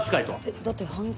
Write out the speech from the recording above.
だって犯罪。